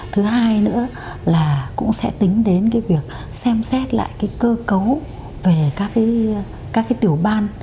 thứ hai nữa là cũng sẽ tính đến việc xem xét lại cơ cấu về các tiểu ban